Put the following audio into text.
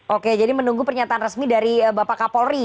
oke jadi menunggu pernyataan resmi dari bapak kapolri